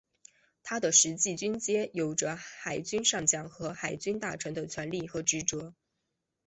他的实际军阶有着海军上将和海军大臣的权力和职责。